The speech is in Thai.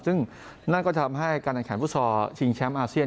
ซึ่งนั่นก็ทำให้การอันแขนฟุตศาสตร์ชิงแชมป์อาเซียน